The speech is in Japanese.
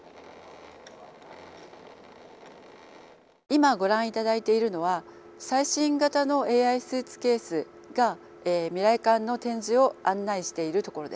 今ご覧いただいているのは最新型のＡＩスーツケースが未来館の展示を案内しているところです。